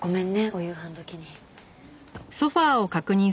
お夕飯時に。